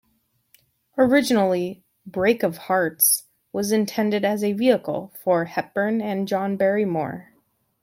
Originally "Break of Hearts" was intended as a vehicle for Hepburn and John Barrymore.